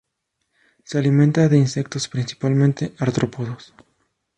Se alimenta de insectos, principalmente artrópodos.